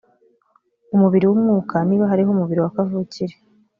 umubiri w umwuka niba hariho umubiri wa kavukire